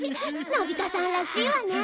のび太さんらしいわね。